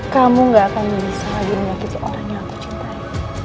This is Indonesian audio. kamu gak akan bisa lagi menyakiti orang yang aku cintai